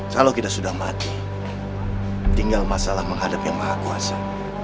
kalau kita sudah mati tinggal masalah menghadap yang maha kuasa